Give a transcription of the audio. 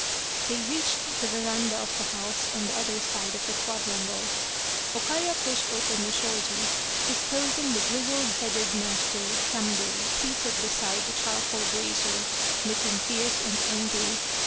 They reached the veranda of the house on the other side of the quadrangle. O Kaya pushed open the shoji, disclosing the grizzled headed master, Kambei, seated beside the charcoal brazier looking fierce and angry.